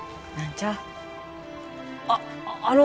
あっあの！